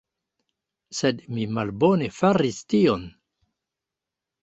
Sed mi malbone faris tion.